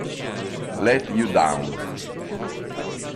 Let You Down